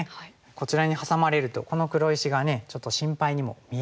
こちらにハサまれるとこの黒石がちょっと心配にも見えるんですが。